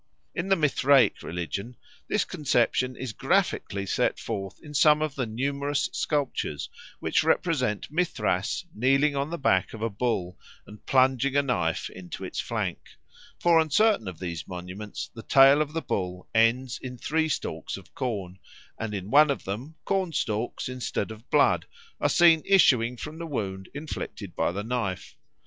In the Mithraic religion this conception is graphically set forth in some of the numerous sculptures which represent Mithras kneeling on the back of a bull and plunging a knife into its flank; for on certain of these monuments the tail of the bull ends in three stalks of corn, and in one of them corn stalks instead of blood are seen issuing from the wound inflicted by the knife.